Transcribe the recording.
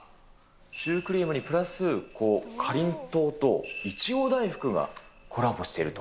シュークリームにプラスかりんとうと、苺大福がコラボしていると。